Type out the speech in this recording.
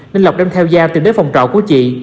nên lộc đem theo gia tìm đến phòng trọ của chị